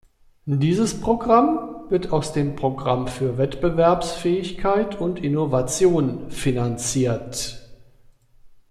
Dieses Programm wird aus dem Programm für Wettbewerbsfähigkeit und Innovation finanziert.